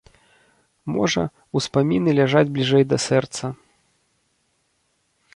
Можа, успаміны ляжаць бліжэй да сэрца.